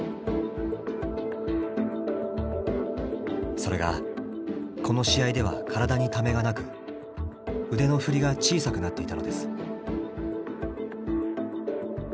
それがこの試合では体にためがなく腕の振りが小さくなっていたのです。